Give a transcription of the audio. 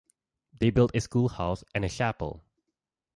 They built a school house and a chapel.